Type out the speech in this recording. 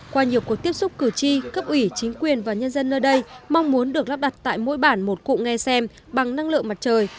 qua nhiều cuộc tiếp xúc cử tri cấp ủy chính quyền và nhân dân nơi đây mong muốn được lắp đặt tại mỗi bản một cụ nghe xem bằng năng lượng mặt trời